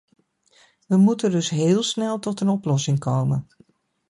We moeten dus heel snel tot een oplossing komen.